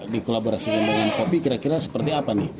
dikolaborasi dengan kopi kira kira seperti apa nih